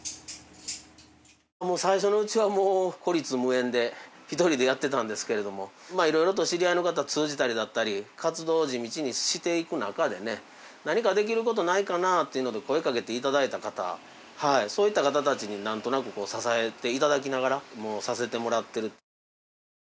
最初のうちはもう孤立無援で一人でやってたんですけれどもまあ色々と知り合いの方通じたりだったり活動を地道にしていく中でね何かできる事ないかなっていうので声かけて頂いた方そういった方たちになんとなく支えて頂きながらさせてもらってる。